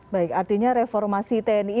baik artinya reformasi tni